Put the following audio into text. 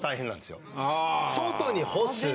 外に干す。